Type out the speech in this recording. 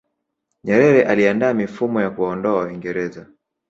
nyerere aliandaa mifumo ya kuwaondoa waingereza